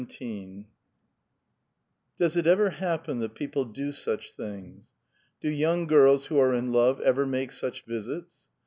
XVII. Does it ever happen that people do such things? Do young girls who arc in love ever make such visits?